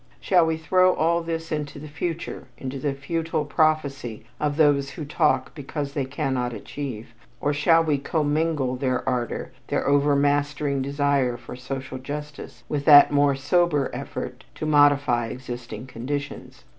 Shall we throw all this into the future, into the futile prophecy of those who talk because they cannot achieve, or shall we commingle their ardor, their overmastering desire for social justice, with that more sober effort to modify existing conditions?